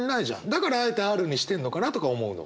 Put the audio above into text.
だからあえてＲにしてるのかなとか思うの。